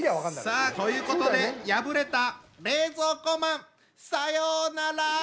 さあということで敗れた冷蔵庫マンさようなら！